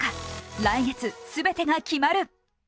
来月、全てが決まる。